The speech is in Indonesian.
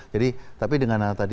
jadi tapi dengan tadi